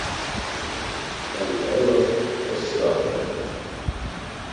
A recycling centre is located at Broomfield Road.